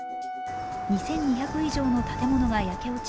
２２００以上の建物が焼け落ち